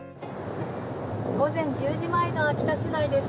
午前１０時前の秋田市内です。